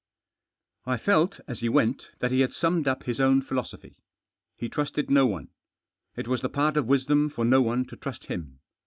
I felt, as he went, that he had summed up his own philosophy. He trusted no one. It was the part of wisdom for no one to trust him.